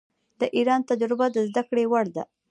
د ایران تجربه د زده کړې وړ ده.